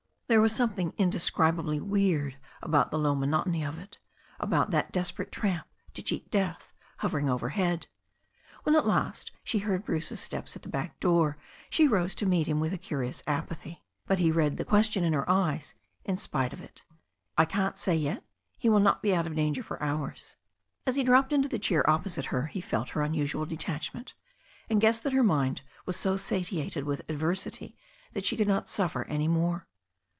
There was something indescribably weird about the low monotony of it, about that desperate tramp to cheat death hovering overhead. When, at last, she heard Bruce's steps at the back door, she rose to meet him with a curious apathy. But he read the question in her eyes in spite of it. "I can't say yet. He will not be out of danger for hours." As he dropped into the chair opposite her he felt her unusual detachment, and guessed that her mind was so satiated with adversity that she could not suffer any more.